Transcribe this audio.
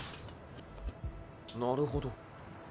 なるほど。